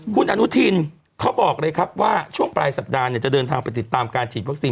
คุณอนุทินเขาบอกเลยครับว่าช่วงปลายสัปดาห์เนี่ยจะเดินทางไปติดตามการฉีดวัคซีน